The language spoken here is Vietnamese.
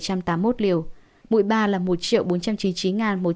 mũi ba là một bốn trăm chín mươi chín một trăm bảy mươi sáu liều